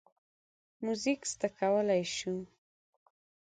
موزیک زده کولی شو.